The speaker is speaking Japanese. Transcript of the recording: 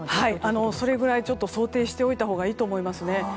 それぐらい想定しておいたほうがいいと思います。